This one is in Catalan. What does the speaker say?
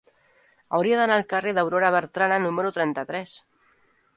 Hauria d'anar al carrer d'Aurora Bertrana número trenta-tres.